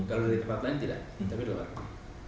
kalau dari tempat lain tidak tapi dari luar